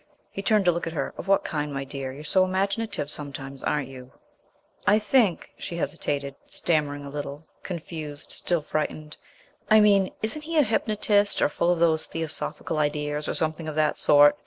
He turned to look at her. "Of what kind, my dear? You're so imaginative sometimes, aren't you?" "I think," she hesitated, stammering a little, confused, still frightened, "I mean isn't he a hypnotist, or full of those theosophical ideas, or something of the sort?